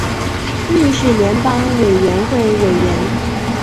瑞士联邦委员会委员。